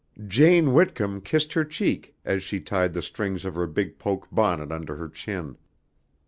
Jane Whitcomb kissed her cheek as she tied the strings of her big poke bonnet under her chin.